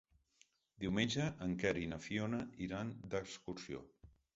Diumenge en Quer i na Fiona iran d'excursió.